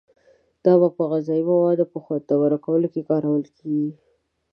دا په غذایي موادو په خوندور کولو کې کارول کیږي.